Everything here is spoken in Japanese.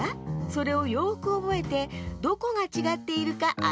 それをよくおぼえてどこがちがっているかあててちょうだい。